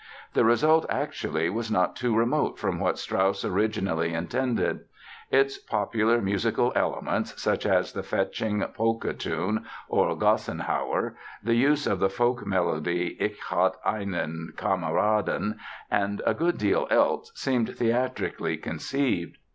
The result actually was not too remote from what Strauss originally intended. Its popular musical elements, such as the fetching polka tune (or "Gassenhauer"), the use of the folk melody ("Ich hatt' einen Kamaraden") and a good deal else seemed theatrically conceived.